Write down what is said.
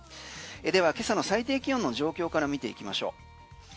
では今朝の最低気温の状況から見ていきましょう。